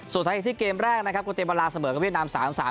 ส่วนท้ายที่เกมแรกนะครับกระเตมเวลาเสมอกกับเยดนาม๓๓